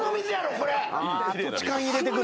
これ！